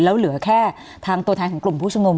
แล้วเหลือแค่ทางตัวแทนของกลุ่มผู้ชุมนุม